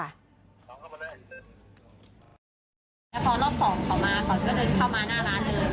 พอรอบสองขอมาก่อนก็เลยเข้ามาหน้าร้านเลย